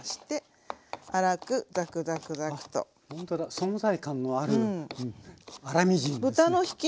存在感のある粗みじんですね。